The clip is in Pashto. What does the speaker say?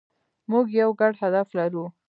موږ یو ګډ هدف لرو.